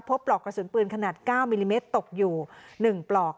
ปลอกกระสุนปืนขนาด๙มิลลิเมตรตกอยู่๑ปลอก